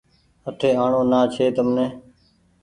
آٺي آڻو نا ڇي تمني